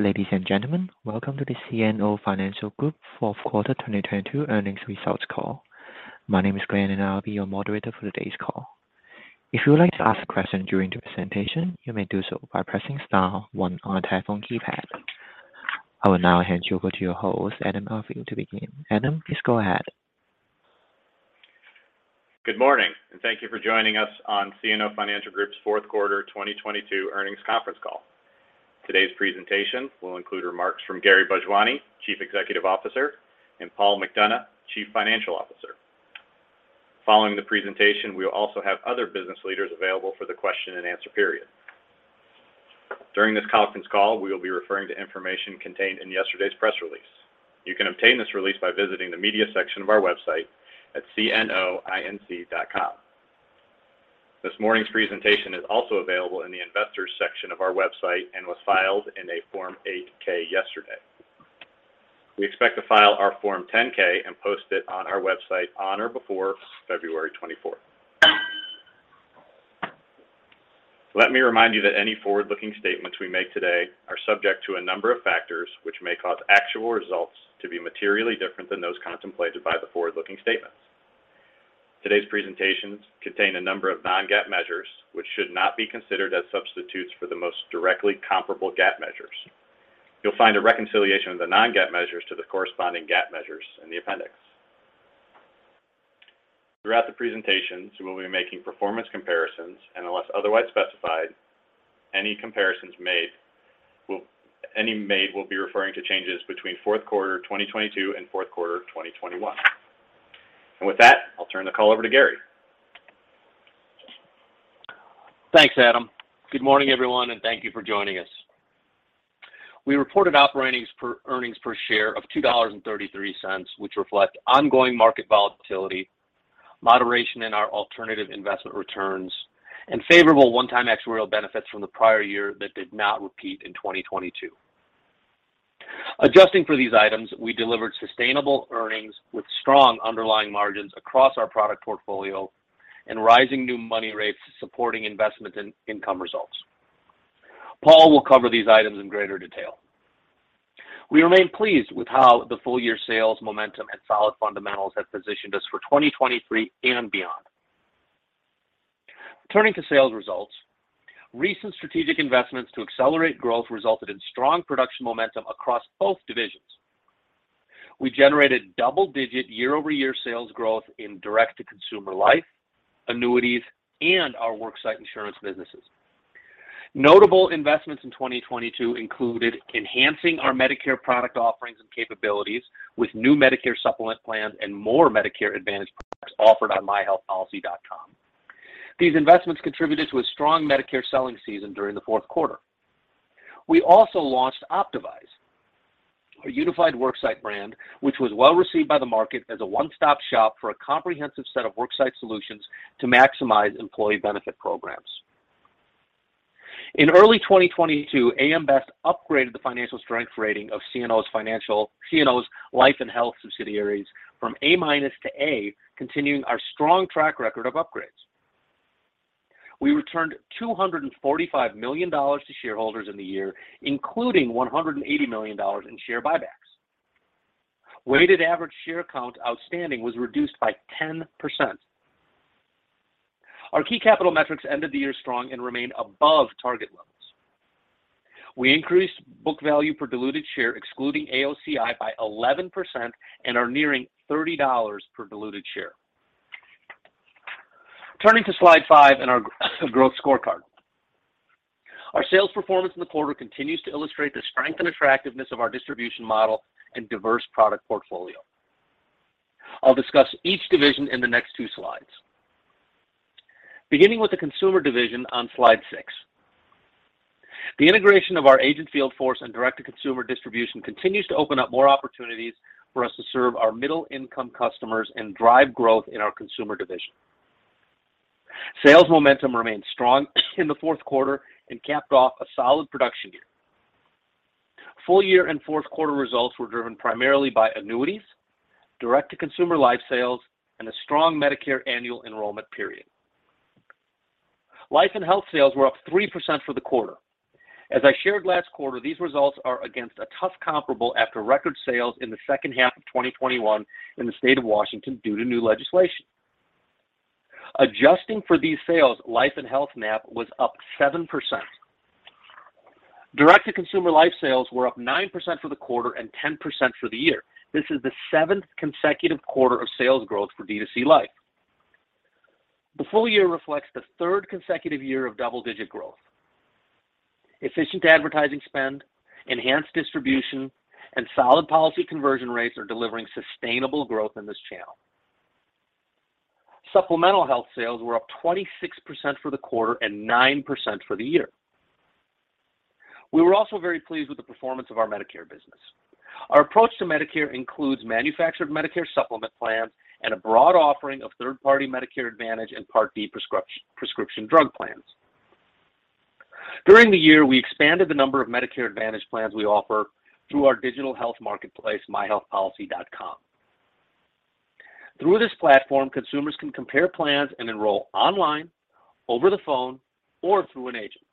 Ladies and gentlemen, welcome to the CNO Financial Group Fourth Quarter 2022 Earnings Results Call. My name is Glenn, I'll be your moderator for today's call. If you would like to ask a question during the presentation, you may do so by pressing star one on a telephone keypad. I will now hand you over to your host, Adam Auvil, to begin. Adam, please go ahead. Good morning, thank you for joining us on CNO Financial Group's Fourth Quarter 2022 Earnings Conference Call. Today's presentation will include remarks from Gary Bhojwani, Chief Executive Officer, and Paul McDonough, Chief Financial Officer. Following the presentation, we will also have other business leaders available for the question and answer period. During this conference call, we will be referring to information contained in yesterday's press release. You can obtain this release by visiting the media section of our website at cnoinc.com. This morning's presentation is also available in the investors section of our website and was filed in a Form 8-K yesterday. We expect to file our Form 10-K and post it on our website on or before February 24th. Let me remind you that any forward-looking statements we make today are subject to a number of factors which may cause actual results to be materially different than those contemplated by the forward-looking statements. Today's presentations contain a number of non-GAAP measures which should not be considered as substitutes for the most directly comparable GAAP measures. You'll find a reconciliation of the non-GAAP measures to the corresponding GAAP measures in the appendix. Throughout the presentations, we will be making performance comparisons, unless otherwise specified, any comparisons made will be referring to changes between fourth quarter 2022 and fourth quarter 2021. With that, I'll turn the call over to Gary. Thanks, Adam. Good morning, everyone, thank you for joining us. We reported earnings per share of $2.33, which reflect ongoing market volatility, moderation in our alternative investment returns, and favorable one-time actuarial benefits from the prior year that did not repeat in 2022. Adjusting for these items, we delivered sustainable earnings with strong underlying margins across our product portfolio and rising new money rates supporting investment in-income results. Paul will cover these items in greater detail. We remain pleased with how the full-year sales momentum and solid fundamentals have positioned us for 2023 and beyond. Turning to sales results, recent strategic investments to accelerate growth resulted in strong production momentum across both divisions. We generated double-digit year-over-year sales growth in D2C Life, annuities, and our Optavise businesses. Notable investments in 2022 included enhancing our Medicare product offerings and capabilities with new Medicare Supplement plans and more Medicare Advantage products offered on myHealthPolicy.com. These investments contributed to a strong Medicare selling season during the fourth quarter. We also launched Optavise, a unified worksite brand, which was well received by the market as a one-stop shop for a comprehensive set of worksite solutions to maximize employee benefit programs. In early 2022, AM Best upgraded the financial strength rating of CNO's life and health subsidiaries from A- to A, continuing our strong track record of upgrades. We returned $245 million to shareholders in the year, including $180 million in share buybacks. Weighted average share count outstanding was reduced by 10%. Our key capital metrics ended the year strong and remain above target levels. We increased book value per diluted share, excluding AOCI, by 11% and are nearing $30 per diluted share. Turning to slide five and our growth scorecard. Our sales performance in the quarter continues to illustrate the strength and attractiveness of our distribution model and diverse product portfolio. I'll discuss each division in the next two slides. Beginning with the consumer division on slide six. The integration of our agent field force and direct-to-consumer distribution continues to open up more opportunities for us to serve our middle-income customers and drive growth in our consumer division. Sales momentum remained strong in the fourth quarter and capped off a solid production year. Full year and fourth quarter results were driven primarily by annuities, direct-to-consumer life sales, and a strong Medicare annual enrollment period. Life and health sales were up 3% for the quarter. As I shared last quarter, these results are against a tough comparable after record sales in the second half of 2021 in the state of Washington due to new legislation. Adjusting for these sales, life and health MAP was up 7%. Direct-to-consumer life sales were up 9% for the quarter and 10% for the year. This is the seventh consecutive quarter of sales growth for D2C Life. The full year reflects the third consecutive year of double-digit growth. Efficient advertising spend, enhanced distribution, and solid policy conversion rates are delivering sustainable growth in this channel. Supplemental health sales were up 26% for the quarter and 9% for the year. We were also very pleased with the performance of our Medicare business. Our approach to Medicare includes manufactured Medicare Supplement plans and a broad offering of third-party Medicare Advantage and Part D prescription drug plans. During the year, we expanded the number of Medicare Advantage plans we offer through our digital health marketplace, myHealthPolicy.com. Through this platform, consumers can compare plans and enroll online, over the phone or through an agent.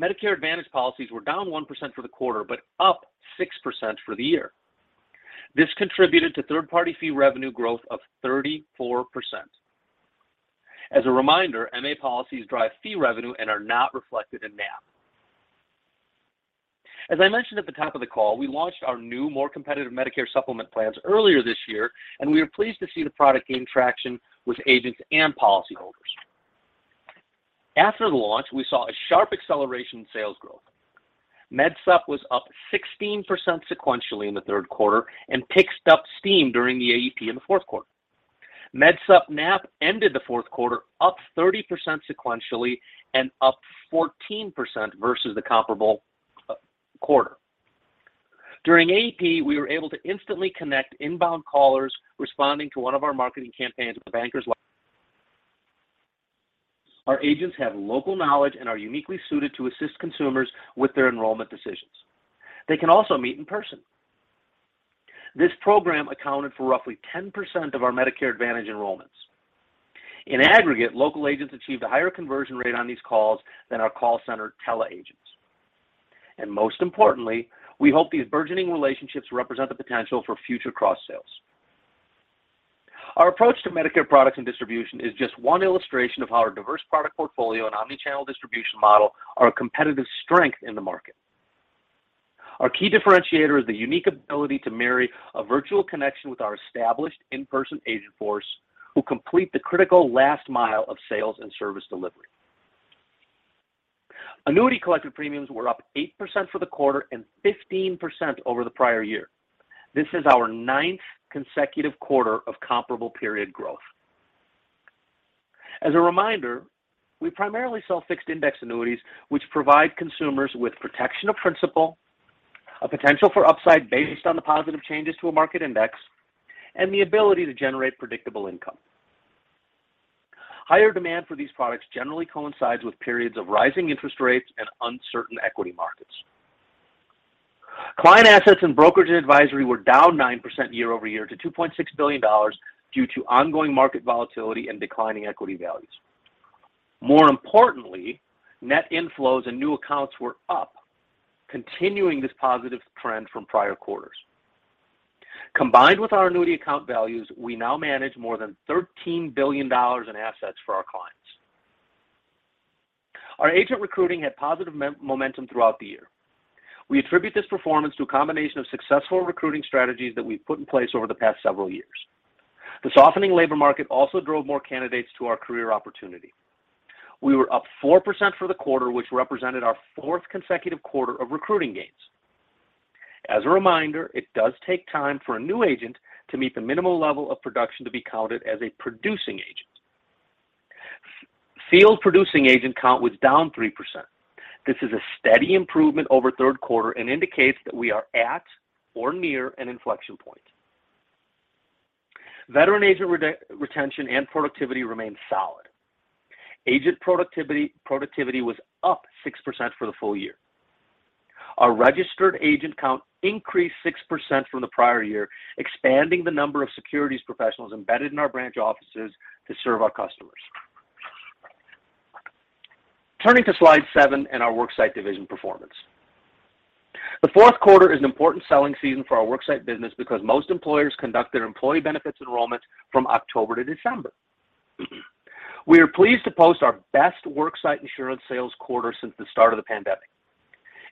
Medicare Advantage policies were down 1% for the quarter, up 6% for the year. This contributed to third-party fee revenue growth of 34%. As a reminder, MA policies drive fee revenue and are not reflected in NAP. As I mentioned at the top of the call, we launched our new more competitive Medicare Supplement plans earlier this year. We are pleased to see the product gain traction with agents and policyholders. After the launch, we saw a sharp acceleration in sales growth. MedSup was up 16% sequentially in the third quarter and picked up steam during the AEP in the fourth quarter. MedSup NAP ended the fourth quarter up 30% sequentially and up 14% versus the comparable quarter. During AEP, we were able to instantly connect inbound callers responding to one of our marketing campaigns with Bankers Life. Our agents have local knowledge and are uniquely suited to assist consumers with their enrollment decisions. They can also meet in person. This program accounted for roughly 10% of our Medicare Advantage enrollments. In aggregate, local agents achieved a higher conversion rate on these calls than our call center tele agents. Most importantly, we hope these burgeoning relationships represent the potential for future cross sales. Our approach to Medicare products and distribution is just one illustration of how our diverse product portfolio and omni-channel distribution model are a competitive strength in the market. Our key differentiator is the unique ability to marry a virtual connection with our established in-person agent force who complete the critical last mile of sales and service delivery. Annuity collected premiums were up 8% for the quarter and 15% over the prior year. This is our ninth consecutive quarter of comparable period growth. As a reminder, we primarily sell fixed index annuities, which provide consumers with protection of principal, a potential for upside based on the positive changes to a market index, and the ability to generate predictable income. Higher demand for these products generally coincides with periods of rising interest rates and uncertain equity markets. Client assets and brokerage and advisory were down 9% year-over-year to $2.6 billion due to ongoing market volatility and declining equity values. More importantly, net inflows and new accounts were up, continuing this positive trend from prior quarters. Combined with our annuity account values, we now manage more than $13 billion in assets for our clients. Our agent recruiting had positive momentum throughout the year. We attribute this performance to a combination of successful recruiting strategies that we've put in place over the past several years. The softening labor market also drove more candidates to our career opportunity. We were up 4% for the quarter, which represented our fourth consecutive quarter of recruiting gains. As a reminder, it does take time for a new agent to meet the minimum level of production to be counted as a producing agent. Field producing agent count was down 3%. This is a steady improvement over third quarter and indicates that we are at or near an inflection point. Veteran agent retention and productivity remained solid. Agent productivity was up 6% for the full year. Our registered agent count increased 6% from the prior year, expanding the number of securities professionals embedded in our branch offices to serve our customers. Turning to slide seven in our worksite division performance. The fourth quarter is an important selling season for our worksite business because most employers conduct their employee benefits enrollment from October to December. We are pleased to post our best worksite insurance sales quarter since the start of the pandemic.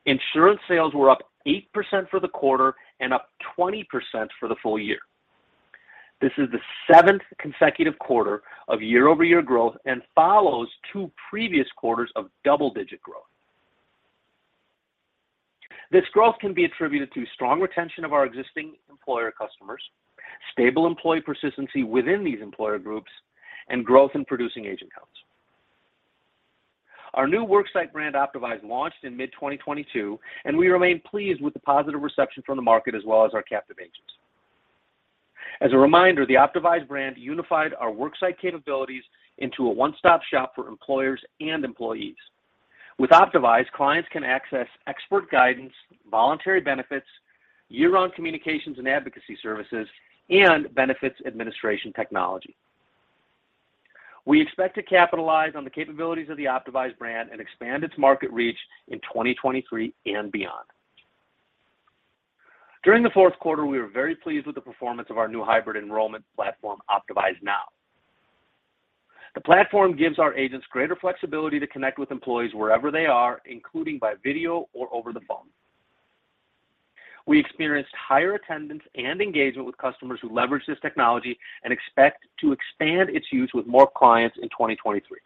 Insurance sales were up 8% for the quarter and up 20% for the full year. This is the seventh consecutive quarter of year-over-year growth and follows two previous quarters of double-digit growth. This growth can be attributed to strong retention of our existing employer customers, stable employee persistency within these employer groups, and growth in producing agent counts. Our new worksite brand, Optavise, launched in mid-2022, and we remain pleased with the positive reception from the market as well as our captive agents. As a reminder, the Optavise brand unified our worksite capabilities into a one-stop shop for employers and employees. With Optavise, clients can access expert guidance, voluntary benefits, year-round communications and advocacy services, and benefits administration technology. We expect to capitalize on the capabilities of the Optavise brand and expand its market reach in 2023 and beyond. During the fourth quarter, we were very pleased with the performance of our new hybrid enrollment platform, Optavise Now. The platform gives our agents greater flexibility to connect with employees wherever they are, including by video or over the phone. We experienced higher attendance and engagement with customers who leverage this technology and expect to expand its use with more clients in 2023.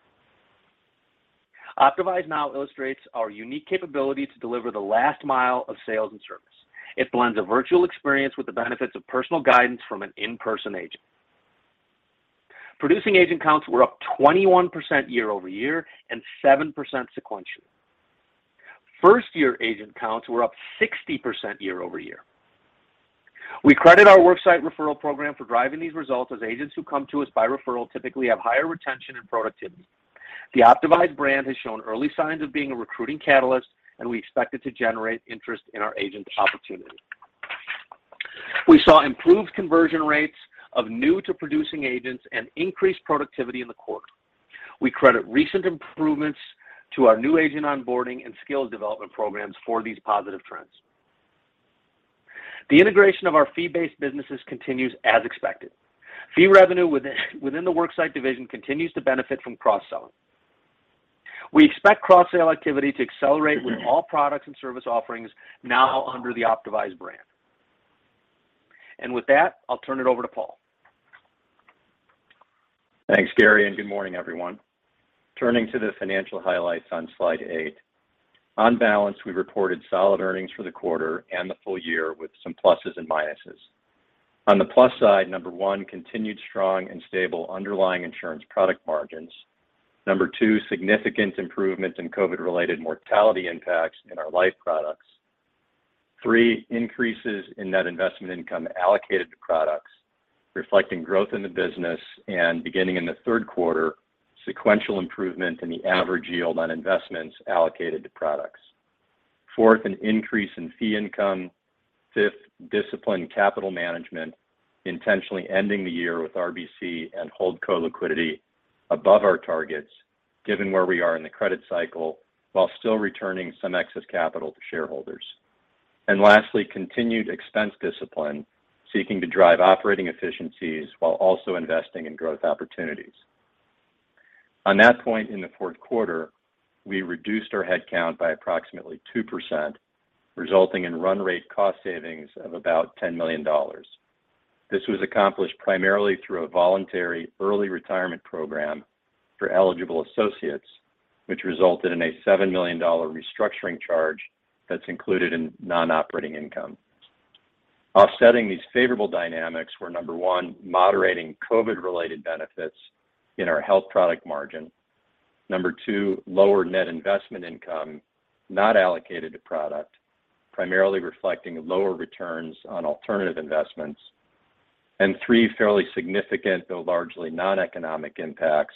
Optavise Now illustrates our unique capability to deliver the last mile of sales and service. It blends a virtual experience with the benefits of personal guidance from an in-person agent. Producing agent counts were up 21% year-over-year and 7% sequentially. First-year agent counts were up 60% year-over-year. We credit our worksite referral program for driving these results as agents who come to us by referral typically have higher retention and productivity. The Optavise brand has shown early signs of being a recruiting catalyst, and we expect it to generate interest in our agent opportunity. We saw improved conversion rates of new to producing agents and increased productivity in the quarter. We credit recent improvements to our new agent onboarding and skill development programs for these positive trends. The integration of our fee-based businesses continues as expected. Fee revenue within the worksite division continues to benefit from cross-selling. We expect cross-sale activity to accelerate with all products and service offerings now under the Optavise brand. With that, I'll turn it over to Paul. Thanks, Gary. Good morning, everyone. Turning to the financial highlights on slide 8. On balance, we reported solid earnings for the quarter and the full year with some pluses and minuses. On the plus side, one, continued strong and stable underlying insurance product margins. Two, significant improvements in COVID-related mortality impacts in our life products. Three, increases in net investment income allocated to products, reflecting growth in the business and beginning in the third quarter, sequential improvement in the average yield on investments allocated to products. Fourth, an increase in fee income. Fifth, disciplined capital management, intentionally ending the year with RBC and HoldCo liquidity above our targets given where we are in the credit cycle, while still returning some excess capital to shareholders. Lastly, continued expense discipline, seeking to drive operating efficiencies while also investing in growth opportunities. On that point in the fourth quarter, we reduced our headcount by approximately 2%, resulting in run rate cost savings of about $10 million. This was accomplished primarily through a voluntary early retirement program for eligible associates, which resulted in a $7 million restructuring charge that's included in non-operating income. Offsetting these favorable dynamics were, one moderating COVID-related benefits in our health product margin. Two lower net investment income not allocated to product, primarily reflecting lower returns on alternative investments. Three fairly significant, though largely noneconomic impacts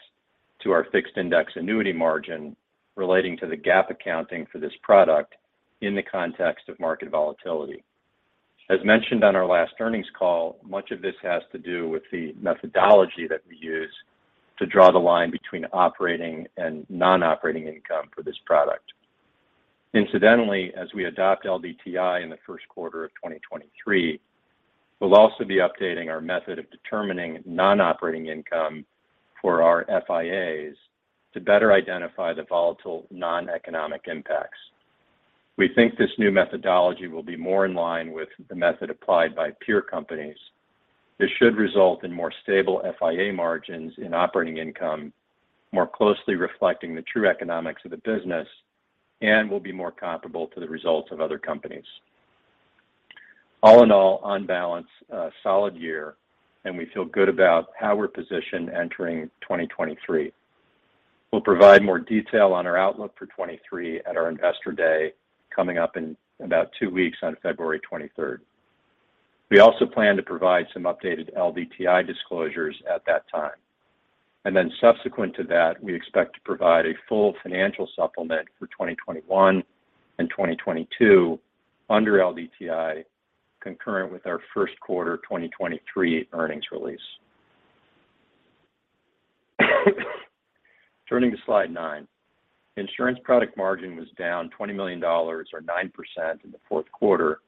to our fixed index annuity margin relating to the GAAP accounting for this product in the context of market volatility. As mentioned on our last earnings call, much of this has to do with the methodology that we use to draw the line between operating and non-operating income for this product. Incidentally, as we adopt LDTI in the first quarter of 2023, we'll also be updating our method of determining non-operating income for our FIAs to better identify the volatile noneconomic impacts. We think this new methodology will be more in line with the method applied by peer companies. This should result in more stable FIA margins in operating income, more closely reflecting the true economics of the business and will be more comparable to the results of other companies. All in all, on balance, a solid year, and we feel good about how we're positioned entering 2023. We'll provide more detail on our outlook for 2023 at our Investor Day coming up in about two weeks on February 23rd. We also plan to provide some updated LDTI disclosures at that time. Subsequent to that, we expect to provide a full financial supplement for 2021 and 2022 under LDTI, concurrent with our first quarter 2023 earnings release. Turning to slide nine. Insurance product margin was down $20 million or 9% in the fourth quarter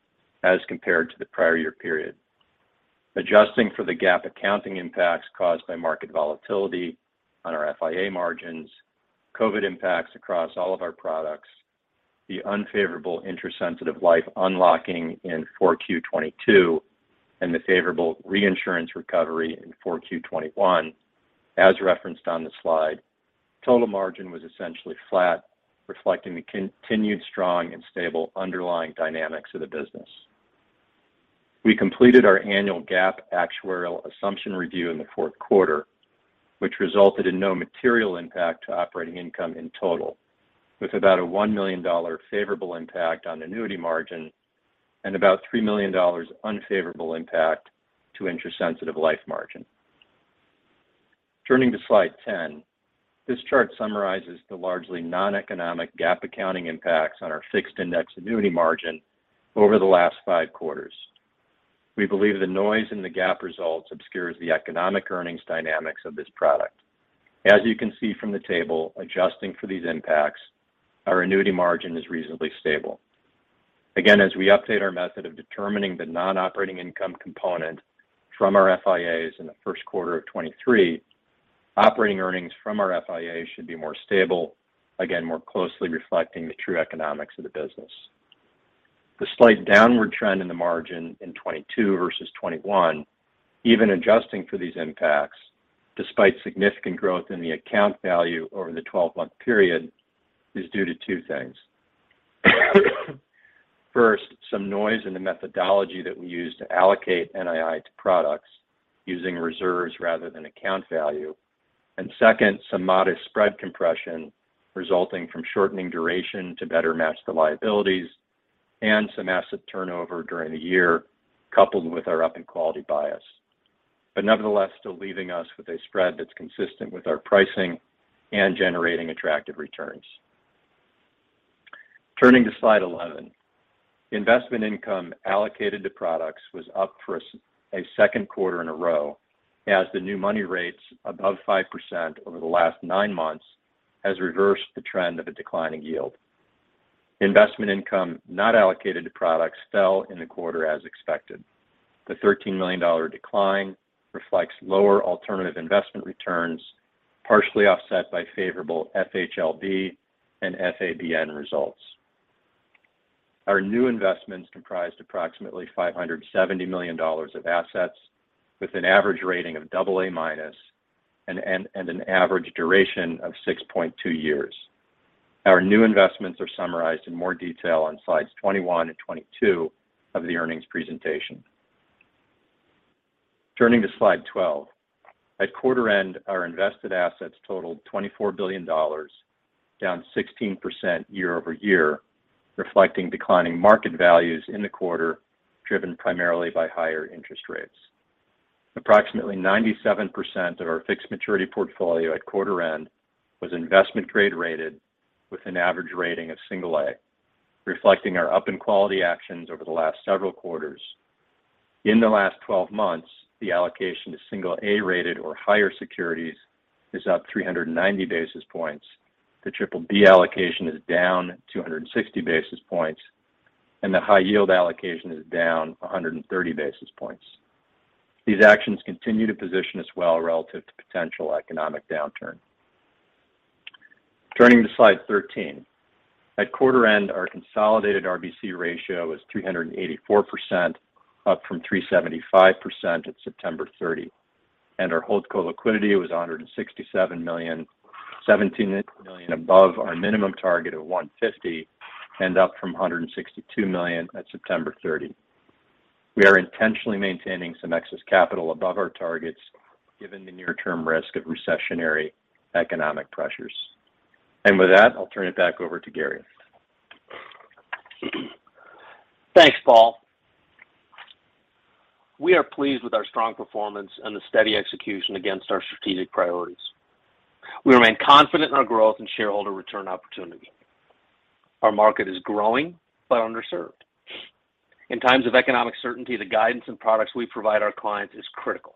as compared to the prior year period. Adjusting for the GAAP accounting impacts caused by market volatility on our FIA margins, COVID impacts across all of our products, the unfavorable interest-sensitive life unlocking in 4Q 2022, and the favorable reinsurance recovery in 4Q 2021, as referenced on the slide, total margin was essentially flat, reflecting the continued strong and stable underlying dynamics of the business. We completed our annual GAAP actuarial assumption review in the fourth quarter, which resulted in no material impact to operating income in total, with about a $1 million favorable impact on annuity margin and about $3 million unfavorable impact to interest-sensitive life margin. Turning to slide 10. This chart summarizes the largely noneconomic GAAP accounting impacts on our fixed index annuity margin over the last five quarters. We believe the noise in the GAAP results obscures the economic earnings dynamics of this product. As you can see from the table, adjusting for these impacts, our annuity margin is reasonably stable. Again, as we update our method of determining the non-operating income component from our FIAs in the first quarter of 2023, operating earnings from our FIA should be more stable, again, more closely reflecting the true economics of the business. The slight downward trend in the margin in 2022 versus 2021, even adjusting for these impacts, despite significant growth in the account value over the 12-month period, is due to two things. First, some noise in the methodology that we use to allocate NII to products using reserves rather than account value. Second, some modest spread compression resulting from shortening duration to better match the liabilities and some asset turnover during the year, coupled with our up in quality bias. Nevertheless, still leaving us with a spread that's consistent with our pricing and generating attractive returns. Turning to slide 11. Investment income allocated to products was up for a second quarter in a row as the new money rates above 5% over the last nine months has reversed the trend of a declining yield. Investment income not allocated to products fell in the quarter as expected. The $13 million decline reflects lower alternative investment returns, partially offset by favorable FHLB and FABN results. Our new investments comprised approximately $570 million of assets with an average rating of AA- and an average duration of 6.2 years. Our new investments are summarized in more detail on slides 21 and 22 of the earnings presentation. Turning to slide 12. At quarter end, our invested assets totaled $24 billion, down 16% year-over-year, reflecting declining market values in the quarter, driven primarily by higher interest rates. Approximately 97% of our fixed maturity portfolio at quarter end was investment grade rated with an average rating of A, reflecting our up in quality actions over the last several quarters. In the last 12 months, the allocation to A-rated or higher securities is up 390 basis points. The BBB allocation is down 260 basis points, the high yield allocation is down 130 basis points. These actions continue to position us well relative to potential economic downturn. Turning to slide 13. At quarter end, our consolidated RBC ratio is 384%, up from 375% at September 30. Our HoldCo liquidity was $167 million, $17 million above our minimum target of $150 million and up from $162 million at September 30. We are intentionally maintaining some excess capital above our targets given the near-term risk of recessionary economic pressures. With that, I'll turn it back over to Gary. Thanks, Paul. We are pleased with our strong performance and the steady execution against our strategic priorities. We remain confident in our growth and shareholder return opportunity. Our market is growing but underserved. In times of economic certainty, the guidance and products we provide our clients is critical.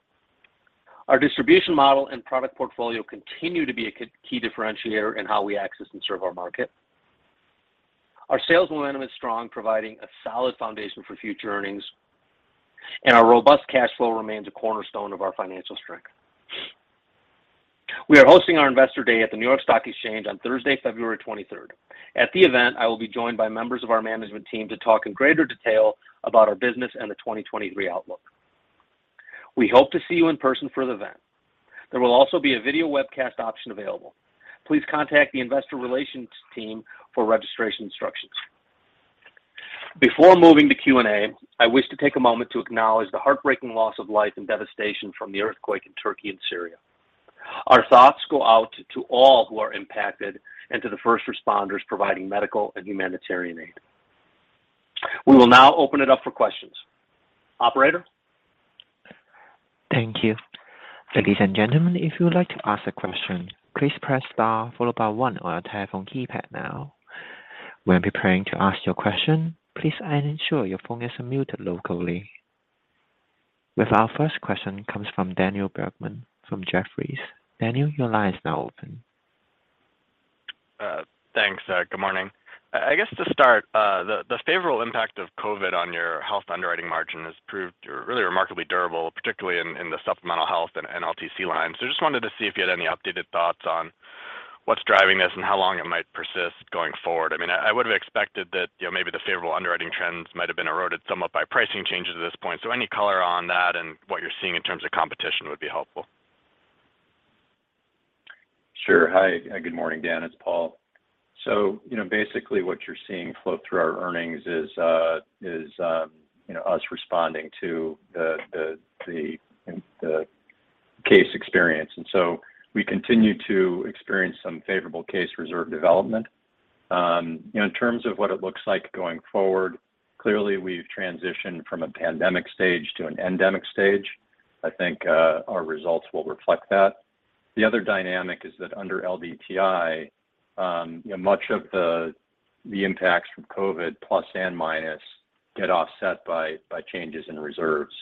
Our distribution model and product portfolio continue to be a key differentiator in how we access and serve our market. Our sales momentum is strong, providing a solid foundation for future earnings, and our robust cash flow remains a cornerstone of our financial strength. We are hosting our investor day at the New York Stock Exchange on Thursday, February 23rd. At the event, I will be joined by members of our management team to talk in greater detail about our business and the 2023 outlook. We hope to see you in person for the event. There will also be a video webcast option available. Please contact the investor relations team for registration instructions. Before moving to Q&A, I wish to take a moment to acknowledge the heartbreaking loss of life and devastation from the earthquake in Turkey and Syria. Our thoughts go out to all who are impacted and to the first responders providing medical and humanitarian aid. We will now open it up for questions. Operator? Thank you. Ladies and gentlemen, if you would like to ask a question, please press star followed by one on your telephone keypad now. When preparing to ask your question, please ensure your phone is unmuted locally. With our first question comes from Daniel Bergman from Jefferies. Daniel, your line is now open. Thanks. Good morning. I guess to start, the favorable impact of COVID on your health underwriting margin has proved really remarkably durable, particularly in the supplemental health and LTC lines. Just wanted to see if you had any updated thoughts on what's driving this and how long it might persist going forward. I mean, I would have expected that, you know, maybe the favorable underwriting trends might have been eroded somewhat by pricing changes at this point. Any color on that and what you're seeing in terms of competition would be helpful. Sure. Hi. Good morning, Dan. It's Paul. You know, basically what you're seeing flow through our earnings is, you know, us responding to the case experience. We continue to experience some favorable case reserve development. In terms of what it looks like going forward, clearly we've transitioned from a pandemic stage to an endemic stage. I think our results will reflect that. The other dynamic is that under LDTI, you know, much of the impacts from COVID plus and minus get offset by changes in reserves.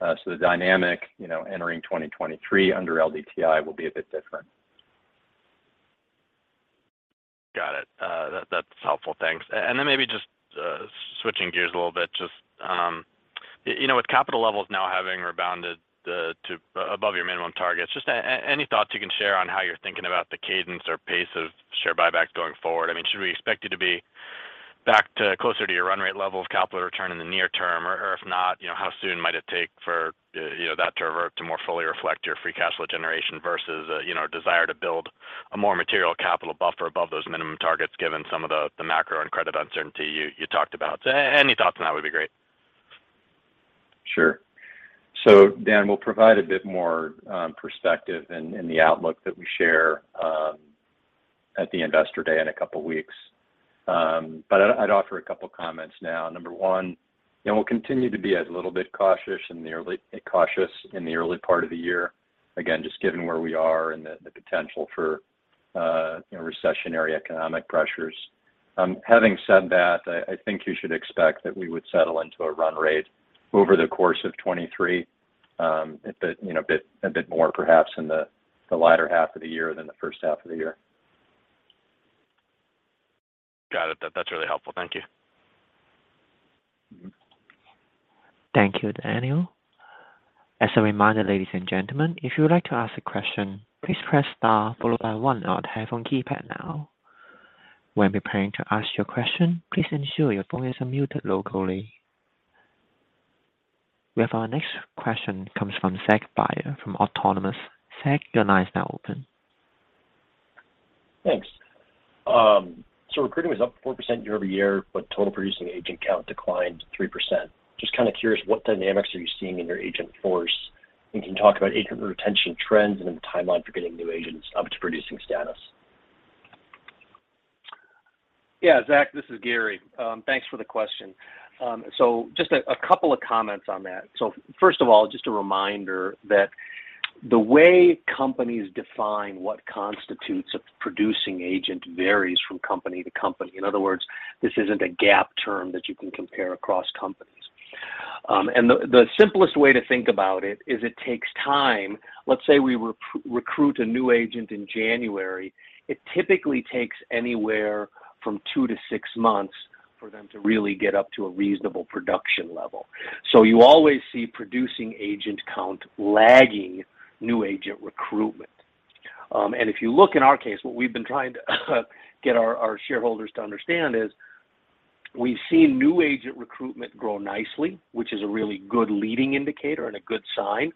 The dynamic, you know, entering 2023 under LDTI will be a bit different. Got it. That's helpful. Thanks. Maybe just, you know, with capital levels now having rebounded to above your minimum targets, any thoughts you can share on how you're thinking about the cadence or pace of share buyback going forward? I mean, should we expect you to be back to closer to your run rate level of capital return in the near term? If not, you know, how soon might it take for, you know, that to revert to more fully reflect your free cash flow generation versus, you know, desire to build a more material capital buffer above those minimum targets, given some of the macro and credit uncertainty you talked about? Any thoughts on that would be great. Sure. Dan, we'll provide a bit more perspective in the outlook that we share at the Investor Day in a couple of weeks. I'd offer a couple of comments now. Number one, and we'll continue to be a little bit cautious in the early part of the year. Again, just given where we are and the potential for, you know, recessionary economic pressures. Having said that, I think you should expect that we would settle into a run rate over the course of 2023, a bit more perhaps in the latter half of the year than the first half of the year. Got it. That's really helpful. Thank you. Thank you, Daniel. As a reminder, ladies and gentlemen, if you would like to ask a question, please press star followed by one on your telephone keypad now. When preparing to ask your question, please ensure your phone is unmuted locally. We have our next question comes from Zach Byer from Autonomous. Zach, your line is now open. Thanks. Recruiting was up 4% year-over-year, but total producing agent count declined 3%. Just kind of curious, what dynamics are you seeing in your agent force? You can talk about agent retention trends and the timeline for getting new agents up to producing status. Yeah, Zach, this is Gary. Thanks for the question. Just a couple of comments on that. First of all, just a reminder that the way companies define what constitutes a producing agent varies from company to company. In other words, this isn't a GAAP term that you can compare across companies. And the simplest way to think about it is it takes time. Let's say we re-recruit a new agent in January, it typically takes anywhere from two to six months for them to really get up to a reasonable production level. You always see producing agent count lagging new agent recruitment. And if you look in our case, what we've been trying to get our shareholders to understand is we've seen new agent recruitment grow nicely, which is a really good leading indicator and a good sign.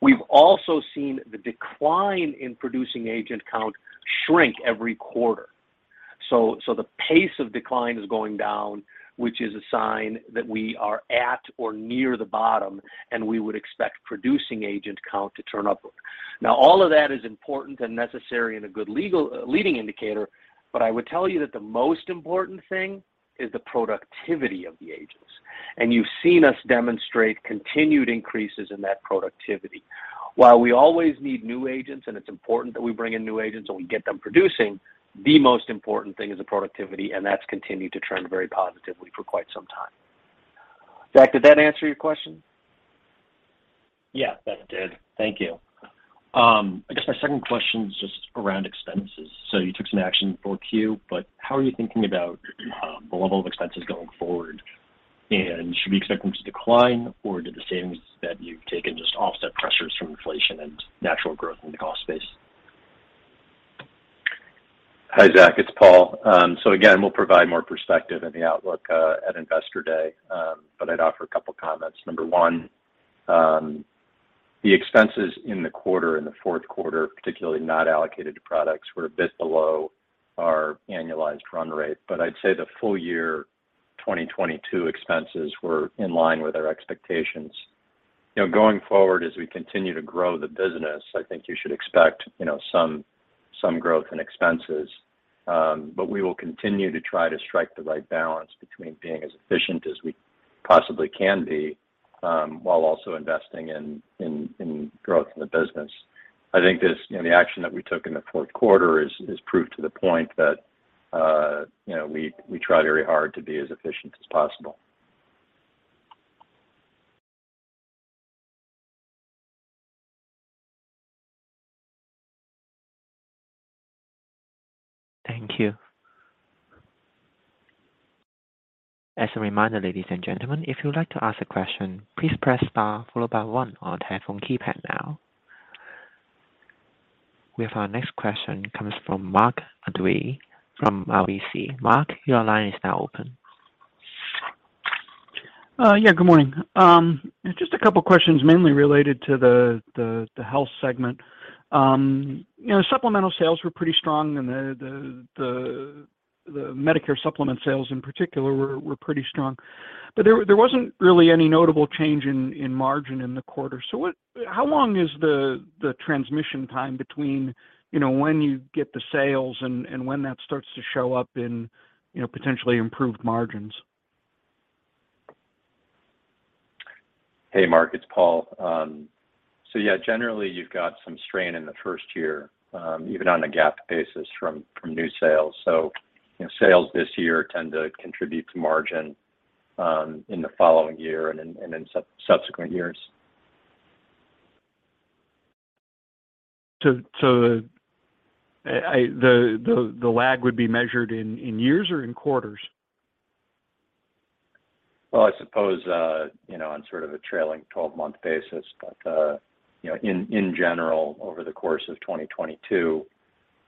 We've also seen the decline in producing agent count shrink every quarter. The pace of decline is going down, which is a sign that we are at or near the bottom, and we would expect producing agent count to turn upward. All of that is important and necessary and a good leading indicator, but I would tell you that the most important thing is the productivity of the agents. You've seen us demonstrate continued increases in that productivity. While we always need new agents, and it's important that we bring in new agents and we get them producing, the most important thing is the productivity, and that's continued to trend very positively for quite some time. Zach, did that answer your question? Yeah, that did. Thank you. I guess my second question is just around expenses. You took some action for Q, but how are you thinking about the level of expenses going forward? Should we expect them to decline or do the savings that you've taken just offset pressures from inflation and natural growth in the cost base? Hi, Zach. It's Paul. Again, we'll provide more perspective in the outlook at Investor Day, but I'd offer a couple of comments. Number one, the expenses in the quarter, in the fourth quarter, particularly not allocated to products, were a bit below our annualized run rate. I'd say the full year 2022 expenses were in line with our expectations. You know, going forward as we continue to grow the business, I think you should expect, you know, some growth in expenses. We will continue to try to strike the right balance between being as efficient as we possibly can be while also investing in growth in the business. I think this, you know, the action that we took in the fourth quarter is proof to the point that, you know, we try very hard to be as efficient as possible. Thank you. As a reminder, ladies and gentlemen, if you would like to ask a question, please press star followed by one on your telephone keypad now. We have our next question comes from Mark Dwelle from RBC. Mark, your line is now open. Yeah, good morning. Just a couple of questions mainly related to the health segment. You know, supplemental sales were pretty strong, and the Medicare Supplement sales in particular were pretty strong. There wasn't really any notable change in margin in the quarter. How long is the transmission time between, you know, when you get the sales and when that starts to show up in, you know, potentially improved margins? Hey, Mark, it's Paul. yeah, generally you've got some strain in the first year, even on a GAAP basis from new sales. you know, sales this year tend to contribute to margin, in the following year and in subsequent years. The lag would be measured in years or in quarters? Well, I suppose, you know, on sort of a trailing 12-month basis. You know, in general, over the course of 2022,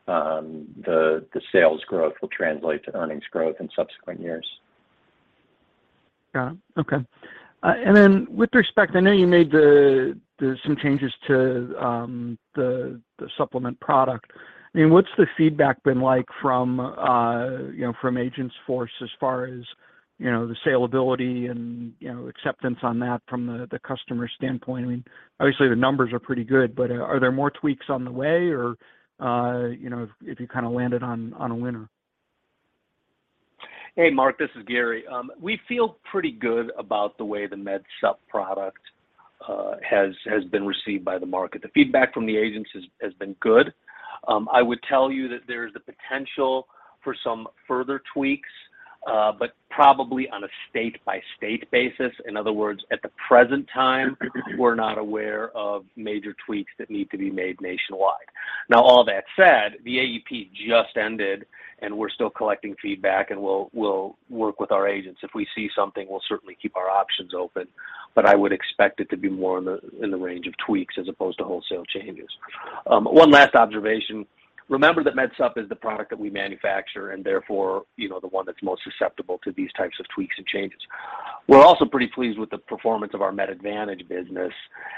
the sales growth will translate to earnings growth in subsequent years. Yeah. Okay. With respect, I know you made some changes to the supplement product. I mean, what's the feedback been like from, you know, from agents force as far as, you know, the salability and, you know, acceptance on that from the customer standpoint? I mean, obviously, the numbers are pretty good, but are there more tweaks on the way or, you know, if you kind of landed on a winner? Hey, Mark, this is Gary. We feel pretty good about the way the MedSup product has been received by the market. The feedback from the agents has been good. I would tell you that there is the potential for some further tweaks, but probably on a state-by-state basis. In other words, at the present time, we're not aware of major tweaks that need to be made nationwide. All that said, the AEP just ended, and we're still collecting feedback, and we'll work with our agents. If we see something, we'll certainly keep our options open. I would expect it to be more in the range of tweaks as opposed to wholesale changes. One last observation. Remember that MedSup is the product that we manufacture and therefore, you know, the one that's most susceptible to these types of tweaks and changes. We're also pretty pleased with the performance of our MedAdvantage business,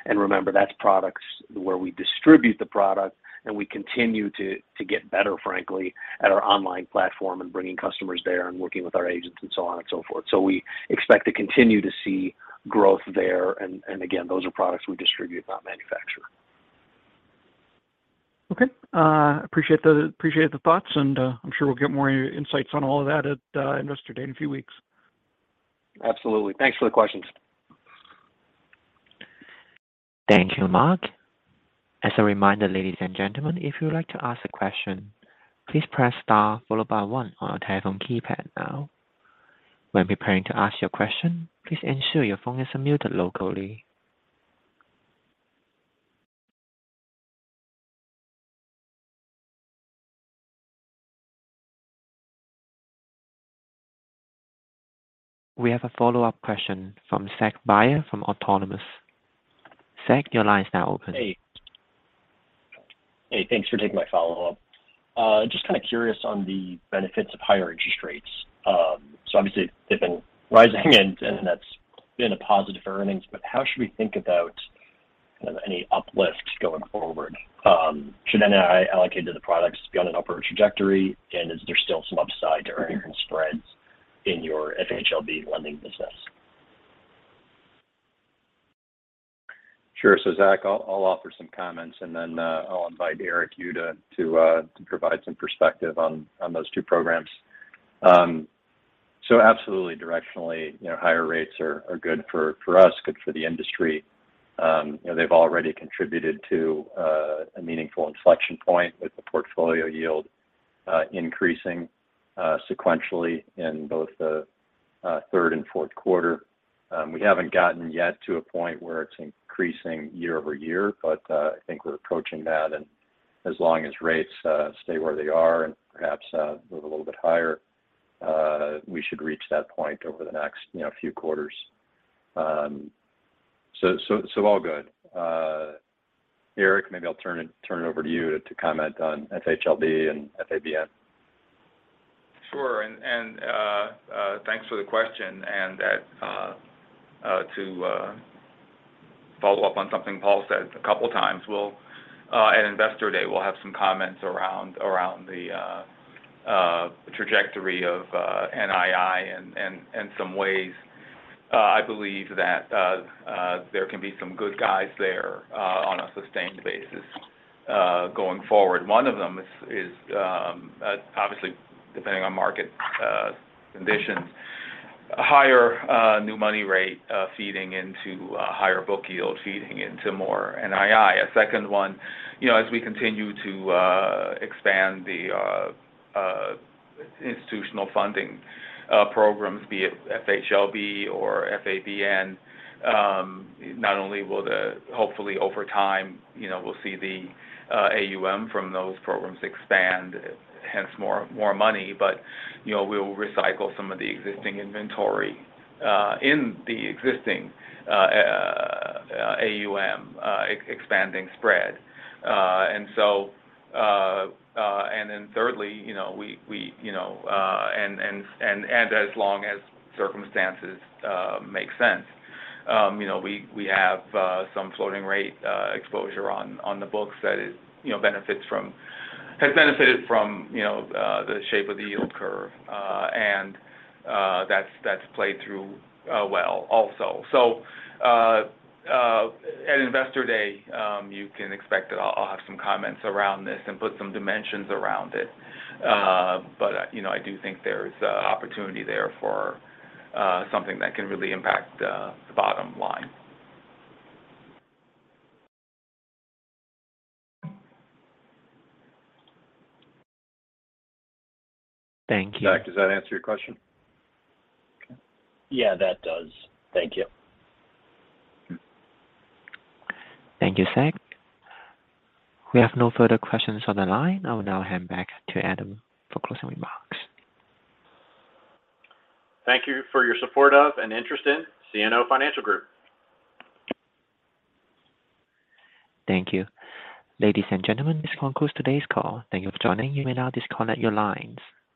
and remember, that's products where we distribute the product, and we continue to get better, frankly, at our online platform and bringing customers there and working with our agents and so on and so forth. We expect to continue to see growth there and again, those are products we distribute, not manufacture. Okay. appreciate the thoughts and I'm sure we'll get more insights on all of that at Investor Day in a few weeks. Absolutely. Thanks for the questions. Thank you, Mark. As a reminder, ladies and gentlemen, if you would like to ask a question, please press star followed by one on your telephone keypad now. When preparing to ask your question, please ensure your phone is unmuted locally. We have a follow-up question from Zach Byer from Autonomous. Zach, your line is now open. Hey. Hey, thanks for taking my follow-up. Just kind of curious on the benefits of higher interest rates. Obviously they've been rising and that's been a positive for earnings. How should we think about any uplifts going forward? Should NII allocated to the products be on an upward trajectory, and is there still some upside to earnings spreads in your FHLB lending business? Sure. Zach, I'll offer some comments, and then I'll invite Eric, you to provide some perspective on those two programs. Absolutely directionally, you know, higher rates are good for us, good for the industry. You know, they've already contributed to a meaningful inflection point with the portfolio yield increasing sequentially in both the third and fourth quarter. We haven't gotten yet to a point where it's increasing year-over-year, but I think we're approaching that. As long as rates stay where they are and perhaps move a little bit higher, we should reach that point over the next, you know, few quarters. So all good. Eric, maybe I'll turn it over to you to comment on FHLB and FABN. Sure. Thanks for the question. At to follow up on something Paul said a couple times, we'll at Investor Day, we'll have some comments around the trajectory of NII and some ways I believe that there can be some good guys there on a sustained basis going forward. One of them is obviously depending on market conditions, higher new money rate feeding into higher book yield, feeding into more NII. A second one, you know, as we continue to expand the institutional funding programs, be it FHLB or FABN, not only will hopefully over time, you know, we'll see the AUM from those programs expand, hence more money, but, you know, we'll recycle some of the existing inventory in the existing AUM, expanding spread. Then thirdly, you know, we, you know, and as long as circumstances make sense, you know, we have some floating rate exposure on the books that is, you know, has benefited from, you know, the shape of the yield curve. That's, that's played through well also. At Investor Day, you can expect that I'll have some comments around this and put some dimensions around it. You know, I do think there's opportunity there for something that can really impact the bottom line. Thank you. Zach, does that answer your question? Yeah, that does. Thank you. Thank you, Zach. We have no further questions on the line. I will now hand back to Adam for closing remarks. Thank you for your support of and interest in CNO Financial Group. Thank you. Ladies and gentlemen, this concludes today's call. Thank you for joining. You may now disconnect your lines.